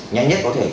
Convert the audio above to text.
nhanh nhất có thể